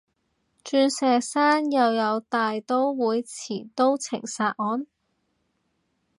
鑽石山又有大刀會持刀情殺案？